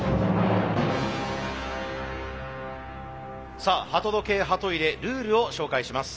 さあ鳩時計ハト入れルールを紹介します。